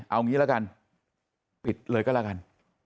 เอางี้ละกันปิดเลยก็แล้วกัน